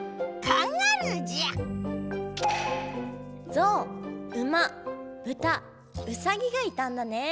ゾウウマブタウサギがいたんだね。